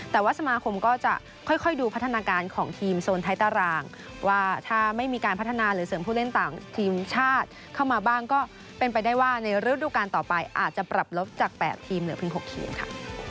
แต่ว่าสมาคมก็จะค่อยดูพัฒนาการของทีมโซนท้ายตารางว่าถ้าไม่มีการพัฒนาหรือเสริมผู้เล่นต่างทีมชาติเข้ามาบ้างก็เป็นไปได้ว่าในฤดูการต่อไปอาจจะปรับลบจาก๘ทีมเหลือเพียง๖ทีมค่ะ